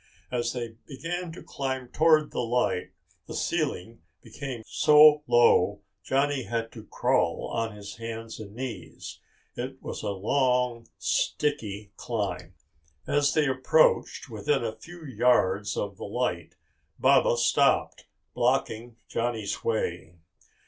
As they began to climb toward the light the ceiling became so low Johnny had to crawl on his hands and knees. It was a long, sticky climb. As they approached within a few yards of the light, Baba stopped, blocking Johnny's way.